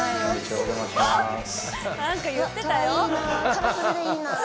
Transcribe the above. カラフルでいいな。